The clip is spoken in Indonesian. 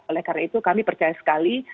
oleh karena itu kami percaya sekali